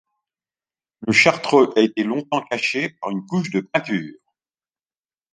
Le chartreux a été longtemps caché par une couche de peinture.